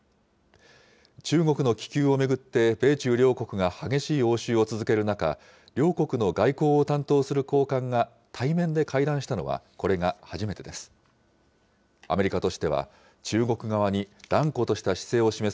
中国の気球を巡って、米中両国が激しい応酬を続ける中、両国の外交を担当する高官が対面で会談したのは、これが初めてです。